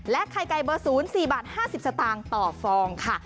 ไข่ไก่เบอร์๐๔บาท๕๐สตางค์ต่อฟองค่ะ